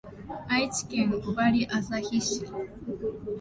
愛知県尾張旭市